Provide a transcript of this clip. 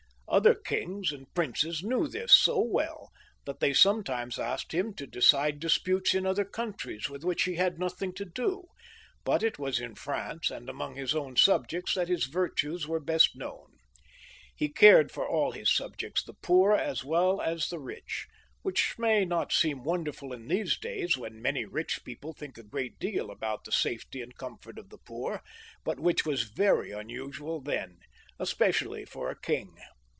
Other kings and princes knew this so well, that they sometimes asked him to decide disputes in other coimtries with which he had nothing to do ; but it was in France, and among his own subjects, that his virtues were best known. He cared for aU his subjects, the poor as well as the rich, which may not seem wonderful in these days when many rich people think a great deal about the safety and comfort of the poor, but which was very unusual then, especially for a king.